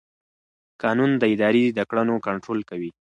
قانون د ادارې د کړنو کنټرول کوي.